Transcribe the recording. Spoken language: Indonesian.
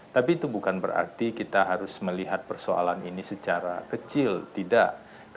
tapi itu bukan berarti kita harus melihat persoalan ini secara kecil tidak